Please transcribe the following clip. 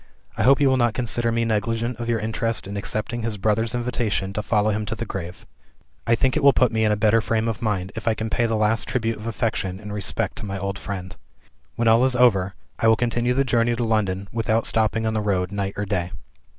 I hope you will not consider me negligent of your interest in accepting his brother's invitation to follow him to the grave. I think it will put me in a better frame of mind, if I can pay the last tribute of affection and respect to my old friend. When all is over, I will continue the journey to London, without stopping on the road night or day.